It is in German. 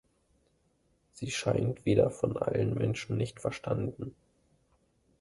Sie scheint wieder von allen Menschen nicht verstanden.